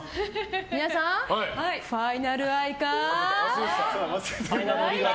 皆さん、ファイナル愛花？